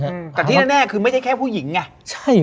แต่ที่แน่คือไม่ใช่แค่ผู้หญิงไง